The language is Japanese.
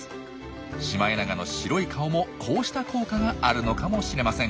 シマエナガの白い顔もこうした効果があるのかもしれません。